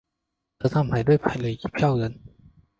车站排队排了一票人